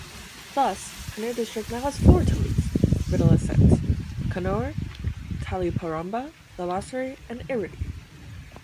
Thus Kannur District now has four taluks, videlicet, Kannur, Taliparamba, Thalassery and Iritty.